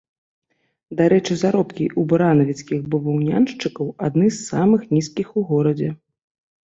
Дарэчы, заробкі ў баранавіцкіх баваўняншчыкаў адны з самых нізкіх у горадзе.